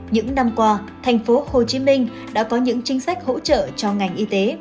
những năm qua thành phố hồ chí minh đã có những chính sách hỗ trợ cho ngành y tế